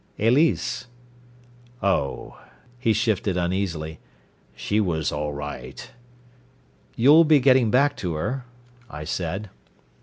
"Elise." "Oh" he shifted uneasily "she was all right " "You'll be getting back to her," I said.